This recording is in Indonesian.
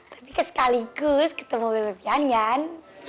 tapi kesekaligus ketemu bb pian yan